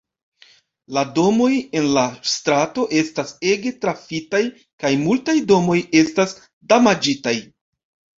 La domoj en la strato estas ege trafitaj kaj multaj domoj estas damaĝitaj.